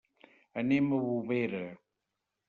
Anem a Bovera.